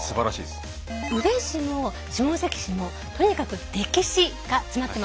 宇部市も下関市もとにかく歴史が詰まってます。